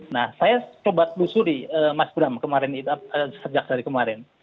nah saya coba telusuri mas bram kemarin sejak dari kemarin